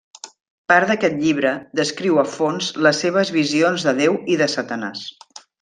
Part d'aquest llibre descriu a fons les seves visions de Déu i de Satanàs.